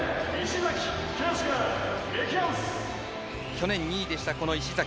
去年２位でした、石崎。